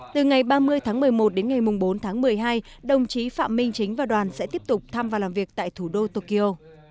từ ngày ba mươi tháng một mươi một đến ngày bốn tháng một mươi hai đồng chí phạm minh chính và đoàn sẽ tiếp tục thăm và làm việc tại thủ đô tokyo